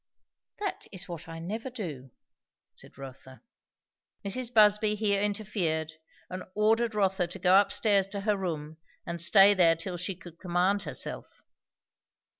"That is what I never do," said Rotha. Mrs. Busby here interfered, and ordered Rotha to go up stairs to her room and stay there till she could command herself.